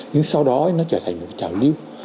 nhưng sau đó nó trở thành một trào lưu